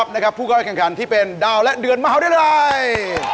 แนะนำตัวหน่อยเป็นดาวเดือนอยู่ที่